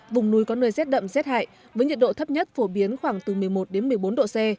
vùng núi có nơi rét đậm rét hại với nhiệt độ thấp nhất phổ biến khoảng từ một mươi một đến một mươi bốn độ c